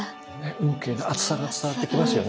運慶の熱さが伝わってきますよね。